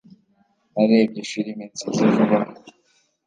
Narebye firime nziza vuba aha